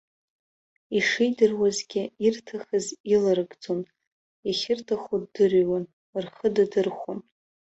Ишидыруазгьы ирҭахыз иларыгӡон, иахьырҭаху ддырҩуан, рхы дадырхәон.